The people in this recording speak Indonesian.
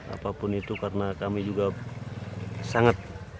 apapun itu karena kami juga sangat menghargai alam